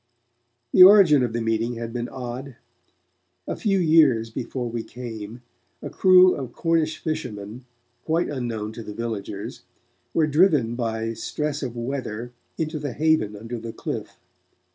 The origin of the meeting had been odd. A few years before we came, a crew of Cornish fishermen, quite unknown to the villagers, were driven by stress of weather into the haven under the cliff.